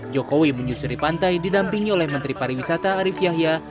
jokowi menyusuri pantai didampingi oleh menteri pariwisata arief yahya